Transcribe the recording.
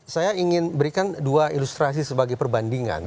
saya ingin berikan dua ilustrasi sebagai perbandingan